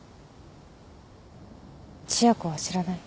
千夜子は知らない。